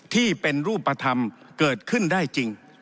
ที่เป็นรูปธรรมเกิดขึ้นได้จริง